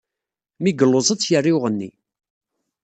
Mi yelluẓ ad tt-yerr i uɣenni.